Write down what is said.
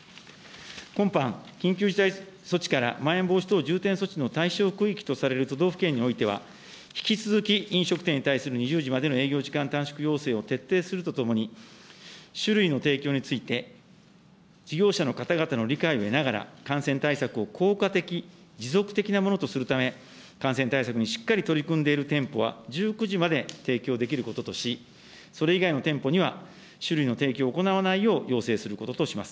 今般、緊急事態措置からまん延防止等重点措置の対象区域とされる都道府県においては、引き続き飲食店に対する２０時までの営業時間短縮要請を徹底するとともに、酒類の提供について、事業者の方々の理解を得ながら、感染対策を効果的、持続的なものとするため、感染対策にしっかり取り組んでいる店舗は１９時まで提供できることとし、それ以外の店舗には酒類の提供を行わないよう要請することとします。